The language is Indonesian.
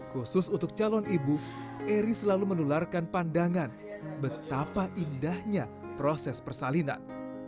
khusus untuk calon ibu eri selalu menularkan pandangan betapa indahnya proses persalinan